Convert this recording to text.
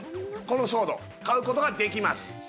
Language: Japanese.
このソード買うことができます